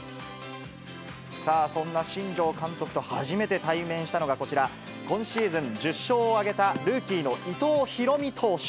さあ、そんな新庄監督と初めて対面したのが、こちら、今シーズン１０勝を挙げた、ルーキーの伊藤大海投手。